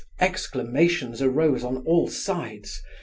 Exclamations arose on all sides.